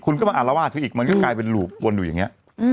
คุณก็มาอารวาสเขาอีกมันก็กลายเป็นหลูบวนอยู่อย่างนี้